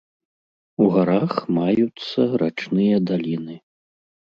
У гарах маюцца рачныя даліны.